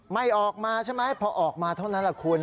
ไม่ออกมาใช่ไหมพอออกมาเท่านั้นแหละคุณ